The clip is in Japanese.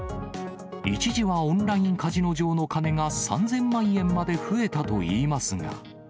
一時はオンラインカジノ上の金が３０００万円まで増えたといいますが。